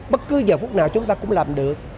bất cứ giờ phút nào chúng ta cũng làm được